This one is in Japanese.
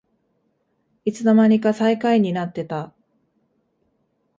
いつのまにか最下位になってた